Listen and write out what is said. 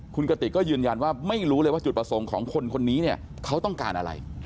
คุณกติกก็ยืนยันว่าไม่รู้เลยว่าจุดประสงค์ของคนคนนี้เนี่ยเขาต้องการอะไร